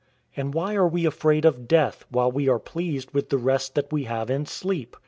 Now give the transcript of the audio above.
And why are we afraid of death, while we are pleased with the rest that we have in sleep?